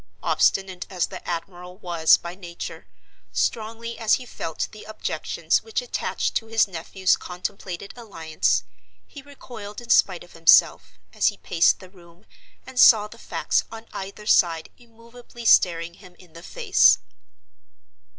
Obstinate as the admiral was by nature, strongly as he felt the objections which attached to his nephew's contemplated alliance, he recoiled in spite of himself, as he paced the room and saw the facts on either side immovably staring him in the face.